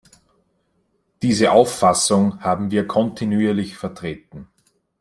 Diese Auffassung haben wir kontinuierlich vertreten.